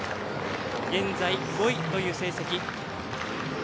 現在、５位という成績。